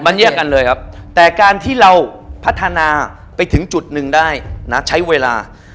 มันแยกกันเลยครับแต่การที่เราพัฒนาไปถึงจุดหนึ่งได้นะใช้เวลา